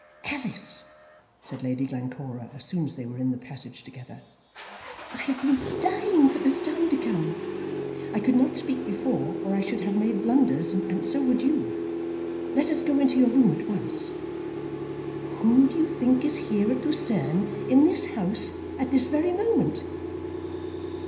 "Alice," said Lady Glencora, as soon as they were in the passage together, "I have been dying for this time to come. I could not speak before, or I should have made blunders, and so would you. Let us go into your room at once. Who do you think is here, at Lucerne, in this house, at this very moment?"